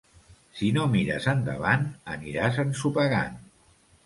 Si no mires endavant, aniràs ensopegant.